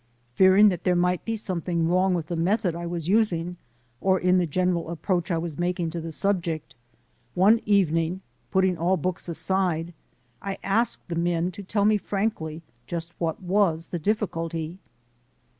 Fearing that there might be some thing wrong with the method I was using, or in the general approach I was making to the subject, one evening, putting all books aside, I asked the men to tell me frankly just what was the difficulty.